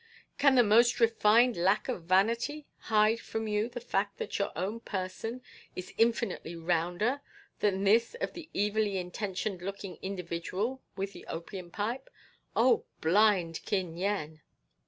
Can the most refined lack of vanity hide from you the fact that your own person is infinitely rounder than this of the evilly intentioned looking individual with the opium pipe? O blind Kin Yen!"